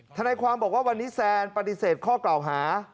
ทนายความบอกว่าวันนี้แซนปฏิเสธข้อกล่าวหา